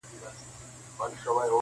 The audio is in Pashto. پردې مځکه دي خزان خېمې وهلي -